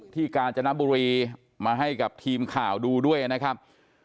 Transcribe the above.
กาญจนบุรีมาให้กับทีมข่าวดูด้วยนะครับ